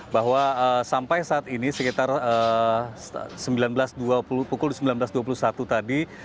bahwa sampai saat ini sekitar pukul sembilan belas dua puluh satu tadi